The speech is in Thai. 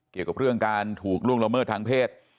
เกี่ยวกับเรื่องการถูกล่วงละเมิดทางเพศ